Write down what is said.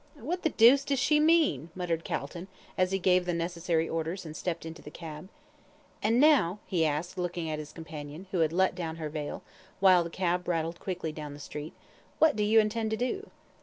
"What the deuce does she mean?" muttered Calton, as he gave the necessary orders, and stepped into the cab. "And now," he asked, looking at his companion, who had let down her veil, while the cab rattled quickly down the street, "what do you intend to do?"